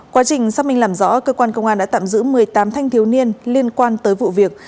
quá trình xác minh làm rõ cơ quan công an đã tạm giữ một mươi tám thanh thiếu niên liên quan tới vụ việc